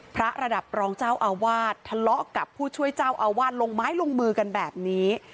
ระดับรองเจ้าอาวาสทะเลาะกับผู้ช่วยเจ้าอาวาสลงไม้ลงมือกันแบบนี้